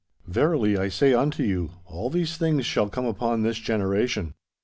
Verily I say unto you, all these things shall come upon this generation."